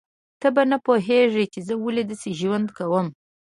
ته به نه پوهیږې چې زه ولې داسې ژوند کوم